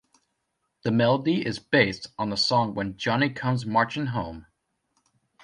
The melody is based on the song When Johnny Comes Marching Home.